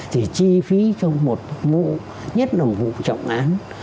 thì chi phí trong một vụ nhất là một vụ trọng án